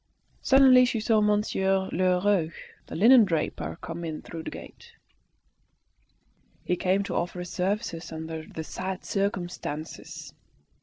Suddenly she saw Monsieur Lheureux, the linendraper, come in through the gate. He came to offer his services "under the sad circumstances."